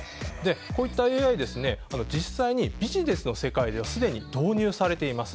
こういったＡＩは実際にビジネスの世界ではすでに導入されています。